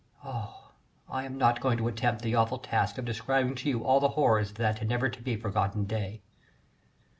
Oh! I am not going to attempt the awful task of describing to you all the horrors of that never to be forgotten day.